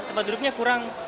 tempat duduknya kurang